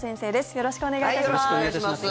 よろしくお願いします。